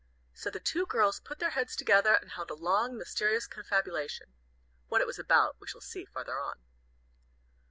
So the two girls put their heads together and held a long, mysterious confabulation. What it was about, we shall see farther on.